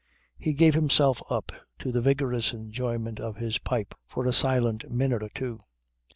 He gave himself up to the vigorous enjoyment of his pipe for a silent minute or two.